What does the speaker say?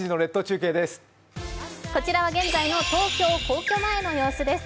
こちらは現在の東京・皇居前の映像です。